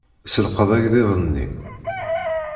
Selqeḍ agḍiḍ-nni.